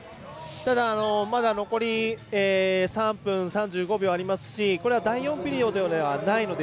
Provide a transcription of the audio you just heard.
まだ残り３分３５秒ありますしこれは第４ピリオドではないので